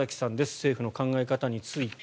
政府の考え方について。